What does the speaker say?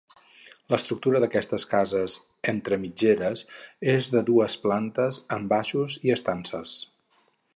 L'estructura d'aquestes cases entre mitgeres és de dues plantes amb baixos i estances.